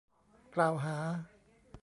กล่าวหา